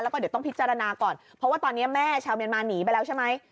แล้วก็เดี๋ยวต้องพิจารณาก่อนเพราะว่าตอนนี้แม่ชาวเมียนมาหนีไปแล้วใช่ไหม